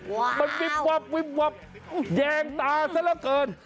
ว้าวมันวิบวับแยงตาซะแล้วเกิน